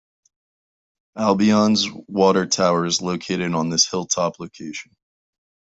Albion's water tower is located on this hill-top location.